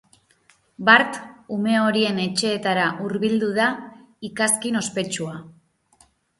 Bart, ume horien etxeetara hurbildu da ikazkin ospetsua.